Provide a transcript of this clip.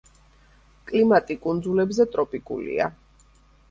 კლიმატი კუნძულებზე ტროპიკულია.